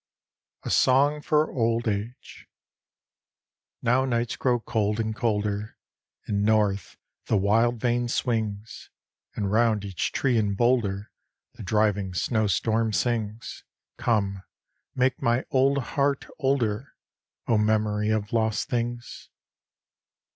A SONG FOR OLD AGE Now nights grow cold and colder, And north the wild vane swings, And round each tree and boulder The driving snow storm sings Come, make my old heart older, O memory of lost things!